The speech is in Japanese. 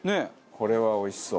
これはおいしそう。